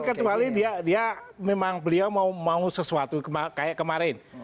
kecuali dia memang beliau mau sesuatu kayak kemarin